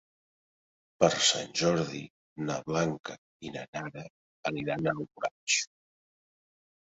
Per Sant Jordi na Blanca i na Nara aniran a Alboraig.